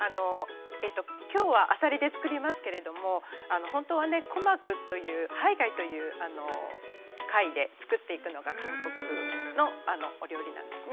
きょうはあさりで作りますけれども本当はコマクというハイガイという貝で作っていくのが韓国風のお料理なんですね。